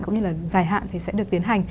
cũng như là dài hạn thì sẽ được tiến hành